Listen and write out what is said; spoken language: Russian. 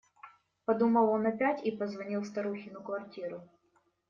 Подумал он опять и позвонил в старухину квартиру.